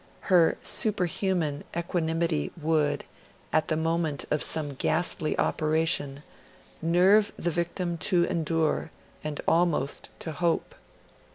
Her superhuman equanimity would, at the moment of some ghastly operation, nerve the victim to endure, and almost to hope.